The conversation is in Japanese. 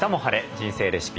人生レシピ」